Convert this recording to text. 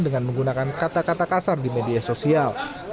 dengan menggunakan kata kata kasar di media sosial